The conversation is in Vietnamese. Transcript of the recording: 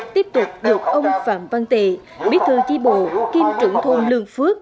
tiếp tục được ông phạm văn tệ bí thư chi bồ kim trưởng thôn lương phước